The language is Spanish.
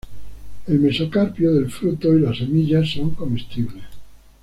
El mesocarpio del fruto y la semilla son comestibles.